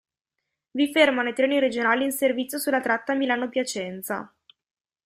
Vi fermano i treni regionali in servizio sulla tratta Milano–Piacenza.